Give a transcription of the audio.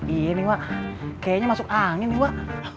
ini wak kayaknya masuk angin nih wak